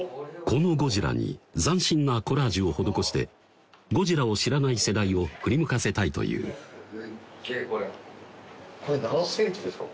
このゴジラに斬新なコラージュを施してゴジラを知らない世代を振り向かせたいというすっげえこれこれ何センチですか？